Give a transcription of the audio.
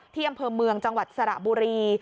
ที่อำเภอเมืองจังหวัดสระบุรี